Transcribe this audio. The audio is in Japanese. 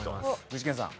具志堅さん。